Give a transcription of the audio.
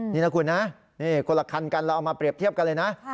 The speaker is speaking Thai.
นี่นะคุณนะนี่คนละคันกันเราเอามาเปรียบเทียบกันเลยนะ